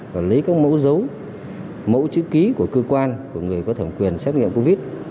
và lấy các mẫu dấu mẫu chữ ký của cơ quan của người có thẩm quyền xét nghiệm covid